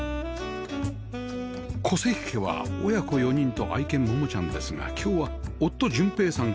小関家は親子４人と愛犬モモちゃんですが今日は夫淳平さん